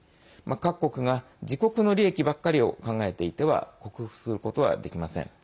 各国が自国の利益ばっかりを考えていては克服することはできません。